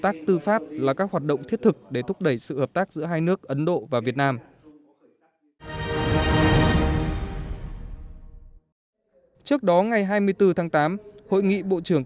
tất cả các bạn có thể chia sẻ về ảnh hưởng của tình trạng tình trạng của việt nam trong những năm vừa qua dựa trên thông tin của u n không